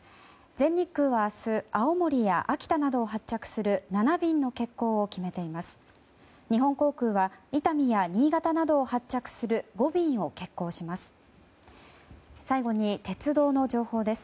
全日空は明日青森や秋田などを発着する７便の欠航を決めています。